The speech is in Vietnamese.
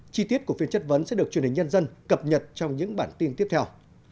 chi tiết của phiên chất vấn sẽ được truyền hình nhân dân cập nhật trong những bản tin tiếp theo